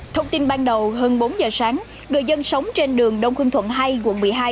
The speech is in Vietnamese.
thông tin ban đầu hơn bốn giờ sáng người dân sống trên đường đông khương thuận hai quận một mươi hai